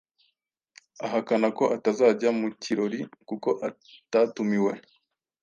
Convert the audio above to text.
Ahakana ko atazajya mu kirori kuko atatumiwe.